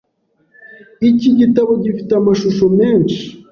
Iki gitabo gifite amashusho menshi .